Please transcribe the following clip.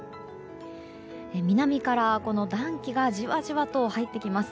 南から、暖気がじわじわと入ってきます。